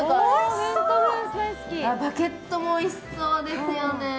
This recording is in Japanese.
バゲットもおいしそうですよね。